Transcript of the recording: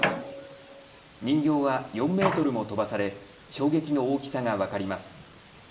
人形は４メートルも飛ばされ衝撃の大きさが分かります。